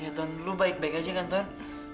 ya ton lo baik baik aja kan ton